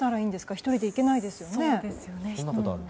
１人で行けないですよね。